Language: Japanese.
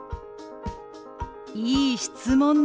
いい質問ね。